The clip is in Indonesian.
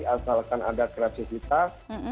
asalkan ada kreatifitas